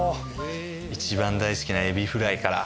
一番大好きなエビフライから。